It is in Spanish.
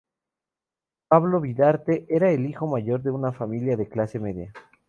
Pablo Vidarte era el hijo mayor de una familia de clase media.